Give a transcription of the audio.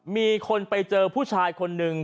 มีคนไปเจอผู้ชายคนหนึ่ง